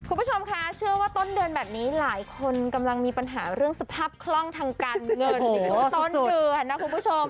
คุณผู้ชมคะเชื่อว่าต้นเดือนแบบนี้หลายคนกำลังมีปัญหาเรื่องสภาพคล่องทางการเงินในช่วงต้นเดือนนะคุณผู้ชม